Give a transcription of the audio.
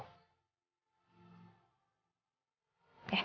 minta sama allah